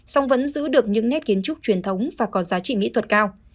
song vẫn giữ được những nét kiến trúc truyền thống và có giá trị mỹ thuật cao